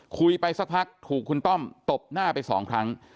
คุยไปสักพักถูกคุณต้อมตบหน้าไปสองครั้ง